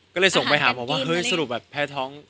ก็เลยส่งไปถามเห้ยสรุปแพ้ท้อง